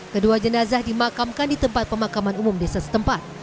kedua jenazah dimakamkan di tempat pemakaman umum desa setempat